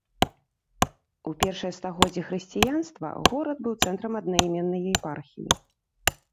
У першыя стагоддзі хрысціянства горад быў цэнтрам аднайменнай епархіі.